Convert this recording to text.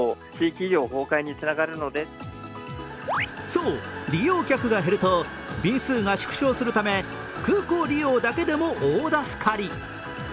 そう、利用客が減ると便数が縮小するため空港利用だけでも大助かり。